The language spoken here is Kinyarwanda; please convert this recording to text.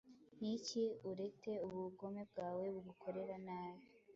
Niki urete ubugome bwawe bugukorera nabi